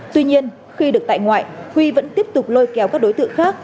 tuy nhiên khi được tại ngoại huy vẫn tiếp tục lôi kéo các đối tượng khác